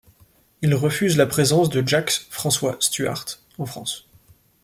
Il refuse la présence de Jacques François Stuart en France.